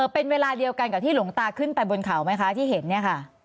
เป็นเวลาเดียวกันกับที่หลวงตาขึ้นไปบนเขาไหมคะที่เห็นเนี่ยค่ะ